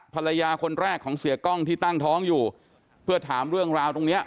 ภรรยาคนแรกของเสียกล้องที่ตั้งท้องอยู่เพื่อถามเรื่องราวตรงเนี้ย